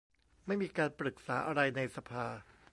ไม่มีการปรึกษาอะไรในสภา